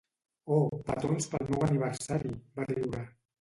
"Oh, petons pel meu aniversari", va riure.